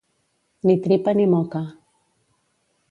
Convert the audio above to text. Ni tripa ni moca.